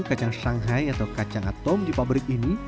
kacang shanghai atau kacang atom di pabrik ini